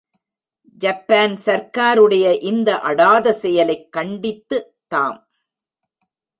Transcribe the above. Japan சர்க்காருடைய இந்த அடாத செயலைக் கண்டித்து தாம்.